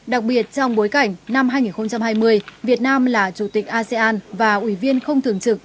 đặc biệt trong bối cảnh năm hai nghìn hai mươi việt nam là chủ tịch asean và ủy viên không thường trực